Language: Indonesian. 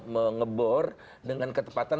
mengebor dengan ketepatan